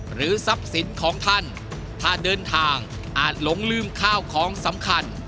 หรือทรัพย์สินของท่านถ้าเดินทางอาจหลงลืมข้าวของสำคัญ